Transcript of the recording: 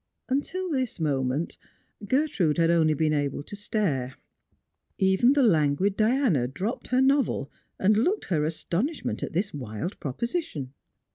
Until this moment Gertrude had only been able to stare. Even the languid Diana dropped her novel, and looked her astonishment at this wild proposition.